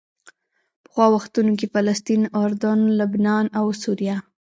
پخوا وختونو کې فلسطین، اردن، لبنان او سوریه.